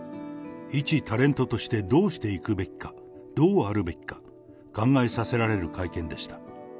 いちタレントとしてどうしていくべきか、どうあるべきか、考えさせられる会見でした。